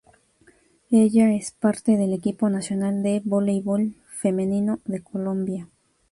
Ella es parte del equipo nacional de voleibol femenino de Colombia.